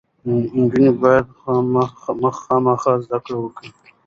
نجونې باید خامخا زده کړې وکړي.